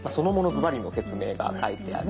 ズバリの説明が書いてある。